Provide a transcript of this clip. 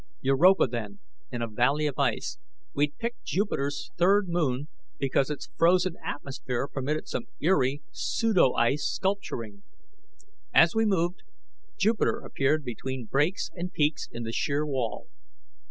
Europa, then, in a valley of ice. We'd picked Jupiter's third moon because its frozen atmosphere permitted some eerie pseudo ice sculpturing. As we moved, Jupiter appeared between breaks and peaks in the sheer wall.